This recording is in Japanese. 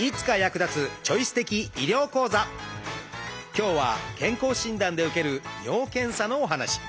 今日は健康診断で受ける「尿検査」のお話。